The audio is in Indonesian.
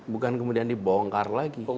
bukan kemudian dibongkar lagi